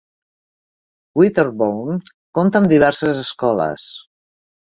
Winterbourne compta amb diverses escoles.